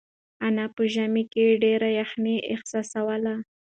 انا په ژمي کې ډېره یخنۍ احساسوله.